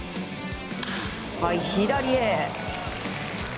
左へ！